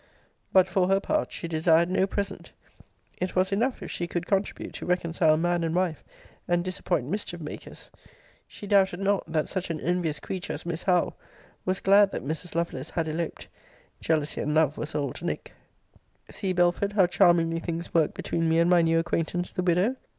But, for her part, she desired no present. It was enough if she could contribute to reconcile man and wife, and disappoint mischief makers. She doubted not, that such an envious creature as Miss Howe was glad that Mrs. Lovelace had eloped jealousy and love was Old Nick! See, Belford, how charmingly things work between me and my new acquaintance, the widow!